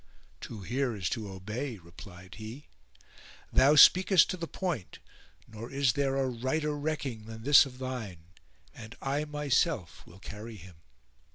"To hear is to obey!" replied he, "thou speakest to the point; nor is there a righter recking than this of thine, and I myself will carry him."